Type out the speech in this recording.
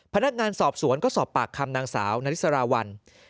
พนักงานสอบสวนก็สอบปากคำนางสาวนาริสราวัล